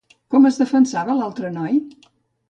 Com es defensava l'altre noi?